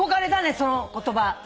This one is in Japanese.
その言葉。